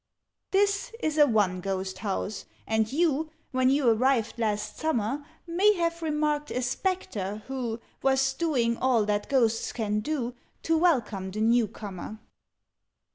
"This is a 'one ghost' house, and you When you arrived last summer, May have remarked a Spectre who Was doing all that Ghosts can do To welcome the new comer.